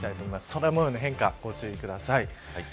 空模様の変化、ご注意ください。